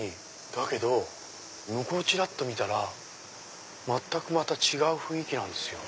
だけど向こうちらっと見たら全くまた違う雰囲気なんですよ。